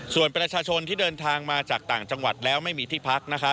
ส่วนประชาชนที่เดินทางมาจากต่างจังหวัดแล้วไม่มีที่พัก